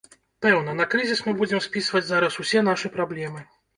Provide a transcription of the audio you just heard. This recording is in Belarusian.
Пэўна, на крызіс мы будзем спісваць зараз усе нашы праблемы.